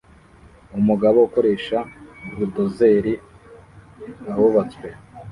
Umugabo ukoresha buldozeri ahubatswe